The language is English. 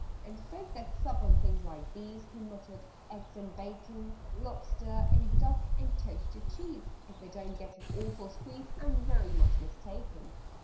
"And folk that sup on things like these " He muttered, "eggs and bacon Lobster and duck and toasted cheese If they don't get an awful squeeze, I'm very much mistaken!